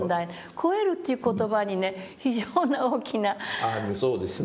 「超える」っていう言葉にね非常な大きなあの。